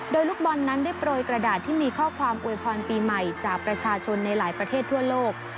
โดยลูกบอลนั้นได้โปรยกระดาษที่มีข้อความอวยพรปีใหม่จากประชาชนในหลายประเทศทั่วโลก